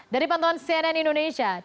dari pantauan cnn indonesia